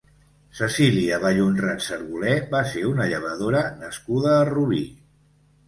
Cecília Vallhonrat Servolé va ser una llevadora nascuda a Rubí.